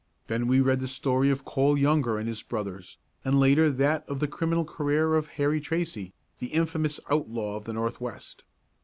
Then we read the story of Cole Younger and his brothers and later that of the criminal career of Harry Tracy, the infamous outlaw of the Northwest.